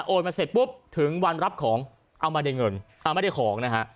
มาเสร็จปุ๊บถึงวันรับของเอามาได้เงินเอาไม่ได้ของนะฮะ